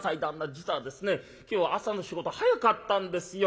実はですね今日は朝の仕事早かったんですよ。